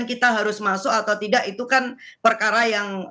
kalau tidak itu kan perkara yang